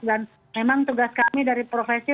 dan memang tugas kami dari profesi